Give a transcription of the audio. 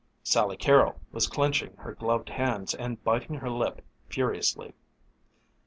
Sally Carrol was clinching her gloved hands and biting her lip furiously.